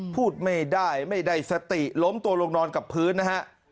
พูดไม่ได้ไม่ได้สติล้มตัวลงนอนกับพื้นนะฮะ